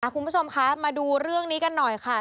คุณผู้ชมคะมาดูเรื่องนี้กันหน่อยค่ะ